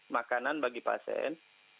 makanan bagi pasien